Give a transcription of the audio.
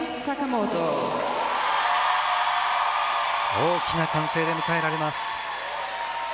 大きな歓声で迎えられます。